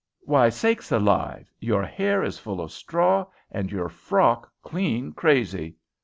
Why, sakes alive, your hair is full of straw and your frock clean crazy!"